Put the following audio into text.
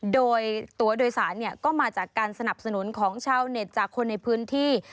โดยตัวโดยสารก็มาจากการสนับสนุนของชาวเน็ตจากคนในพื้นที่